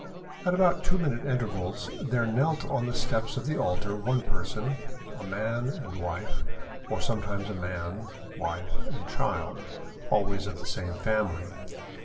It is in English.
At about two minute intervals there knelt on the steps of the altar one person, a man and wife, or sometimes a man, wife, and child, always of the same family.